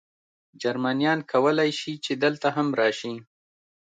جرمنیان کولای شي، چې دلته هم راشي.